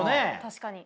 確かに。